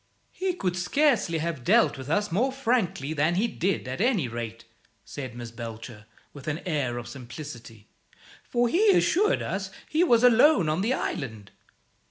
"He could scarcely have dealt with us more frankly than he did, at any rate," said Miss Belcher, with an air of simplicity; "for he assured us he was alone on the island."